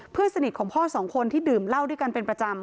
เพื่อนสนิทของพ่อสองคนที่ดื่มเหล้าด้วยกันเป็นประจำ